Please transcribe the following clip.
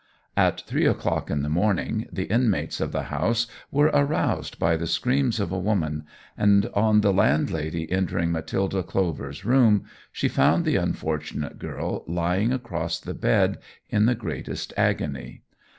At three o'clock in the morning the inmates of the house were aroused by the screams of a woman, and on the landlady entering Matilda Clover's room, she found the unfortunate girl lying across the bed in the greatest agony.